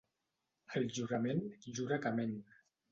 El jurament jura que ment.